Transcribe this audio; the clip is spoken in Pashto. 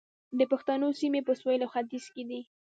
د پښتنو سیمې په سویل او ختیځ کې دي